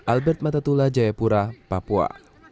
albert matatula jaipura papua